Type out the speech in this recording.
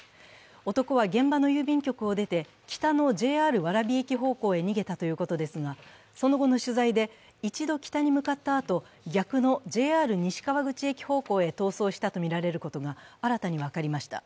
男は現場の郵便局を出て北のＪＲ蕨駅方向へ逃げたということですがその後の取材で、一度北に向かったあと、逆のＪＲ西川口駅方向へ逃走したとみられることが新たに分かりました。